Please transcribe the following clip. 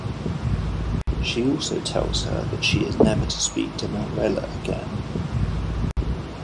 She also tells her that she is never to speak to Manuela again.